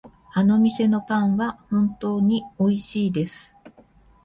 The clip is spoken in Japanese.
あの店のパンは本当においしいです。